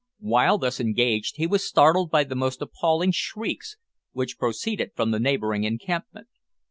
While thus engaged, he was startled by the most appalling shrieks, which proceeded from the neighbouring encampment.